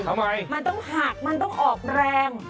ทำไมมันต้องหักมันต้องออกแรง